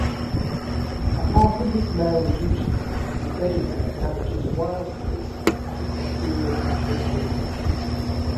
Apart from his mayoral duties, Dedina manages Wildcoast at it's Imperial Beach headquarters.